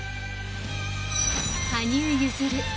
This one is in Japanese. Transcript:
羽生結弦